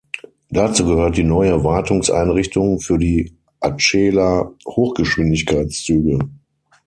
Dazu gehört die neue Wartungseinrichtung für die Acela-Hochgeschwindigkeitszüge.